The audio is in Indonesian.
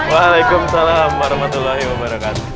waalaikumsalam warahmatullahi wabarakatuh